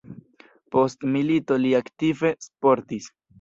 Post milito li aktive sportis.